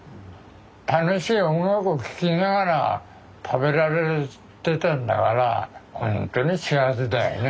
楽しい音楽を聴きながら食べられてたんだからほんとに幸せだよね。